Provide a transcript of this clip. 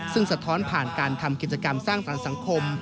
ซึ่งสะท้อนผ่านการทำกิจกรรมสร้างสรรค์สังคม